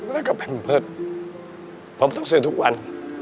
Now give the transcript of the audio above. แล้วก็แพมเพิร์ตผมต้องเสียทุกวัน